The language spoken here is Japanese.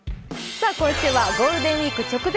今週ゴールデンウイーク直前！